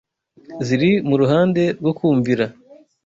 ziri mu ruhande rwo kumvira